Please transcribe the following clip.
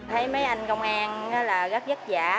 thấy mấy anh công an rất giấc giả